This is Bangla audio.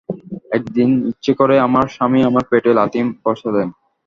একদিন ইচ্ছে করেই আমার স্বামী আমার পেটে লাথি বসালেন।